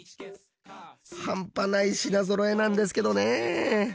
半端ない品ぞろえなんですけどね！